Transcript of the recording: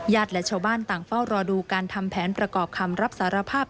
และชาวบ้านต่างเฝ้ารอดูการทำแผนประกอบคำรับสารภาพ